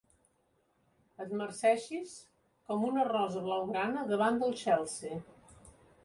Et marceixis com una rosa blaugrana davant del Chelsea.